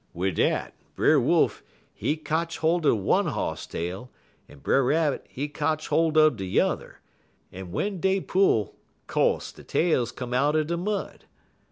"Wid dat, Brer Wolf, he kotch holt er one hoss tail, en Brer Rabbit, he kotch holt er de yuther, en w'en dey pull, co'se de tails come out'n de mud.